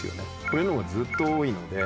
これのほうがずっと多いので。